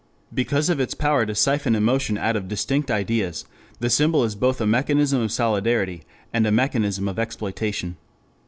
Because of its power to siphon emotion out of distinct ideas, the symbol is both a mechanism of solidarity, and a mechanism of exploitation.